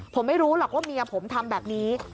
ผมไม่รู้หรอกว่าเมียผมทำแบบนี้